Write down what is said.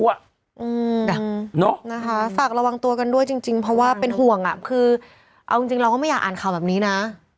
นะคะฝากระวังตัวกันด้วยจริงเพราะว่าเป็นห่วงอ่ะคือเอาจริงเราก็ไม่อยากอ่านข่าวแบบนี้นะ